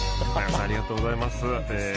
ありがとうございます。